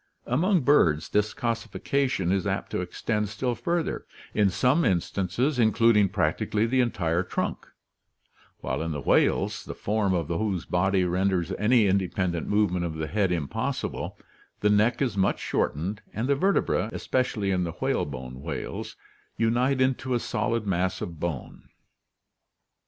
Among birds this coossification is apt to extend still further, in some instances including practically the entire trunk, while in the whales, the form of whose body renders any independent move ment of the head impossible, the neck is much shortened and the vertebrae, especially in the whale bone whales, unite into a solid mass of bone.